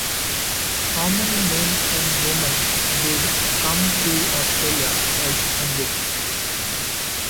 How many men and women did come to Australia as convicts?